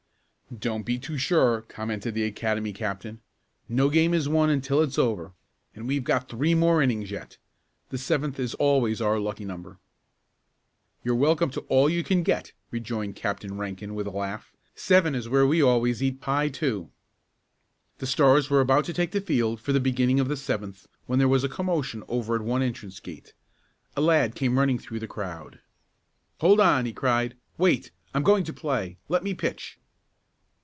"Don't be too sure," commented the Academy captain. "No game is won until it's over and we've got three more innings yet. The seventh is always our lucky number." "You're welcome to all you can get," rejoined Captain Rankin with a laugh. "Seven is where we always eat pie, too." The Stars were about to take the field for the beginning of the seventh when there was a commotion over at one entrance gate. A lad came running through the crowd. "Hold on!" he cried. "Wait! I'm going to play. Let me pitch!"